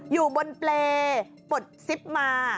อยู่บนเปรย์ปลดซิปมา